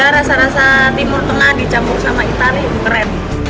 ya rasa rasa timur tengah dicampur sama itali keren